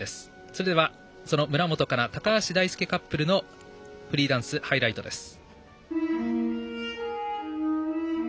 それでは村元哉中、高橋大輔カップルのフリーダンスのハイライトです。